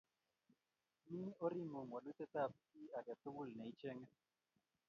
Mi oring'ung' walutyet ap kiy ake tukul ne icheng'e